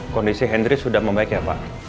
kondisi henry sudah membaik ya pak